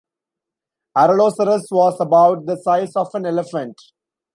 "Aralosaurus" was about the size of an elephant.